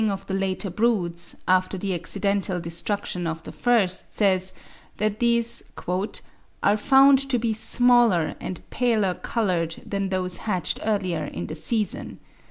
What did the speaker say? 229) of the later broods, after the accidental destruction of the first, says, that these "are found to be smaller and paler coloured than those hatched earlier in the season.